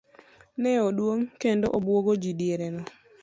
Ne oduong' kendo obuogo ji diereno.